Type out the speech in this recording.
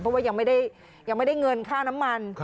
เพราะว่ายังไม่ได้เงินค่าน้ำมัน